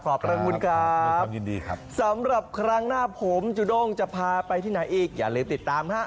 ขอบคุณครับยินดีครับสำหรับครั้งหน้าผมจุด้งจะพาไปที่ไหนอีกอย่าลืมติดตามฮะ